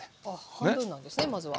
半分なんですねまずは。